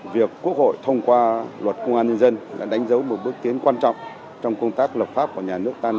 việc quốc hội thông qua luật công an nhân dân đã đánh dấu một bước tiến quan trọng trong công tác lập pháp của nhà nước ta